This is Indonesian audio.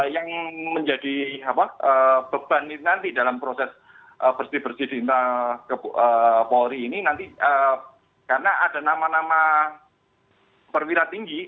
yang menjadi beban nanti dalam proses bersih bersih di polri ini nanti karena ada nama nama perwira tinggi